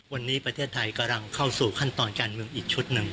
วันนี้ประเทศไทยกำลังเข้าสู่ขั้นตอนการเมืองอีกชุดหนึ่ง